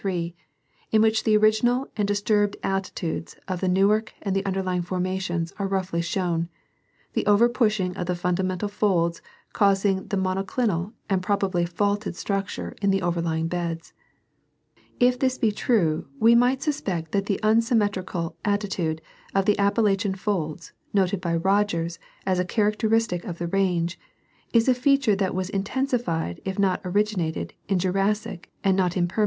3. in which the original and disturbed attitudes of the Newark and the undei lying formations are roughly shown, the over pushing of the fundamental folds causing the monoclinal and probably faulted structure in the overlying beds.* If this be true, we might suspect that the unsymmetrical attitude of the Appalachian folds, noted by Rogers as a characteristic of the range, is a feature that was intensified if not originated in Jurassic and not in Permian time.